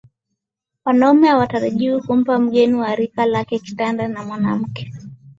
Wanaume hutarajiwa kumpa mgeni wa rika lake kitanda na mwanamke